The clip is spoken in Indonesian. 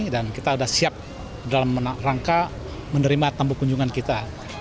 kita sudah siap dalam rangka menerima tamu kunjungan kita